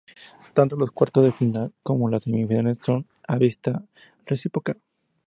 Tanto los cuartos de final, como las semifinales, son a visita recíproca.